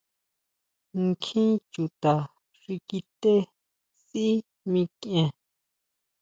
Nkjín chuta xi kité sʼí mikʼien.